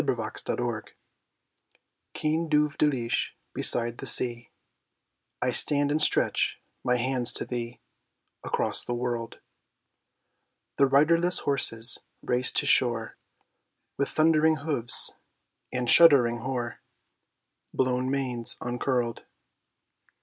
CEAN DUV DEELISH Cean duv deelish, beside the sea I stand and stretch my hands to thee Across the world. The riderless horses race to shore With thundering hoofs and shuddering, hoar, Blown manes uncurled.